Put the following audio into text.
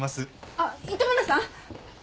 あっ糸村さん！